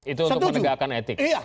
itu untuk menegakkan etik